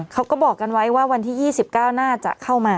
เขาก็บอกกันไว้ว่าวันที่๒๙น่าจะเข้ามา